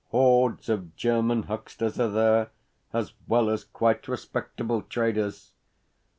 Hordes of German hucksters are there, as well as quite respectable traders.